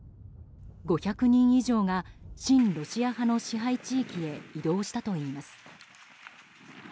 ５００人以上が親ロシア派の支配地域へ移動したといいます。